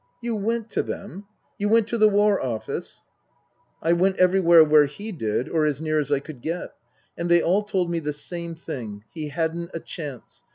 " You went to them ? You went to the War Office ?"" I went everywhere where he did, or as near as I could get. And they all told me the same thing he hadn't a chance.